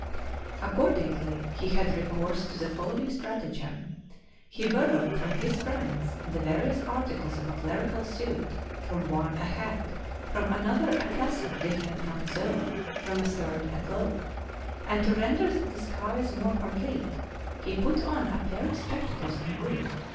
Accordingly he had recourse to the following stratagem: He borrowed from his friends the various articles of a clerical suit; from one a hat, from another a cassock differing from his own, from a third a cloak, and, to render the disguise more complete, he put on a pair of spectacles and wig.